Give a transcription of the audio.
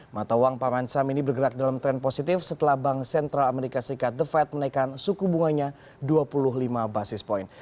mata uang paman sam ini bergerak dalam tren positif setelah bank sentral amerika serikat the fed menaikkan suku bunganya dua puluh lima basis point